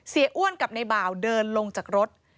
อ้วนกับในบ่าวเดินลงจากรถ